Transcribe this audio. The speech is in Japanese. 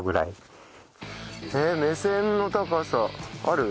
目線の高さある？